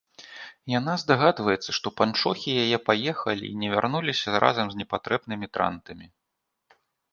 Яна здагадваецца, што панчохі яе паехалі і не вярнуліся разам з непатрэбнымі трантамі.